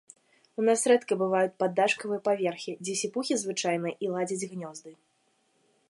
У нас рэдка бываюць паддашкавыя паверхі, дзе сіпухі звычайна і ладзяць гнёзды.